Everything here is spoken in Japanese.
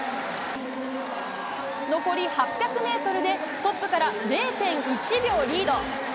残り８００メートルでトップから０．１秒リード。